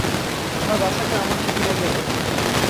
আমার বাছাকে আমাকে ফিরাইয়া দে!